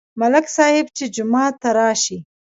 ملک صاحب چې جومات ته راشي،